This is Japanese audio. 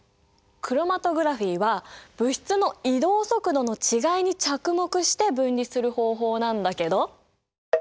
クロマトグラフィーは物質の移動速度の違いに着目して分離する方法なんだけど。